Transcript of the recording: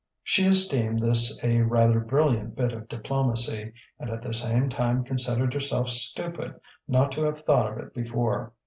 She esteemed this a rather brilliant bit of diplomacy, and at the same time considered herself stupid not to have thought of it before.